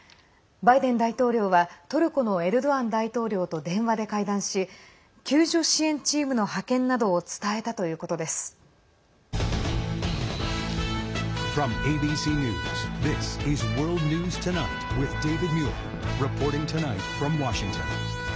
バイデン大統領はトルコのエルドアン大統領と電話で会談し救助支援チームの派遣などを伝えたということです。